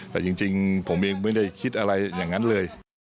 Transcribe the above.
แต่จริงผมเองไม่ได้คิดอะไรอย่างนั้นเลย